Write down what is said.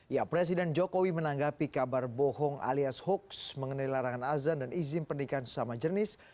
ya presiden jokowi menanggapi kabar bohong alias hoax mengenai larangan azan dan izin pernikahan sesama jenis